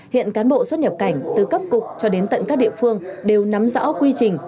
hiện cán bộ xuất nhập cảnh từ cấp cục cho đến tận các địa phương đều nắm rõ quy trình